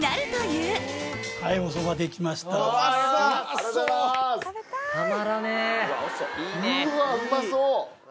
うわうまそう。